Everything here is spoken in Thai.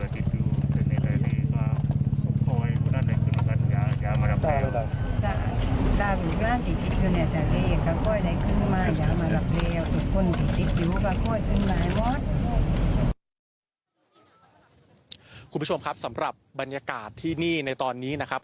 คุณผู้ชมครับสำหรับบรรยากาศที่นี่ในตอนนี้นะครับ